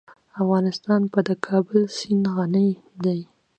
افغانستان په د کابل سیند غني دی.